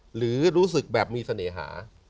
หรือรู้สึกแบบมีเสน่หา